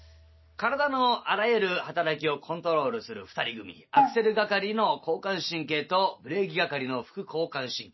体のあらゆる働きをコントロールする２人組アクセル係の交感神経とブレーキ係の副交感神経。